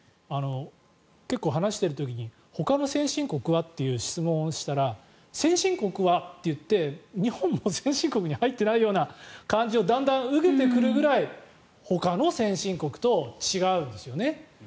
結構話している時にほかの先進国はという質問をしたら先進国はといって日本も先進国に入ってないような感じをだんだん受けるくらいほかの先進国と違うんですよね。